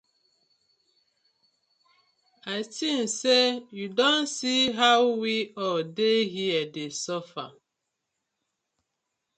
I tink say yu don see how we all dey here dey suffer.